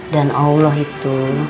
dan allah itu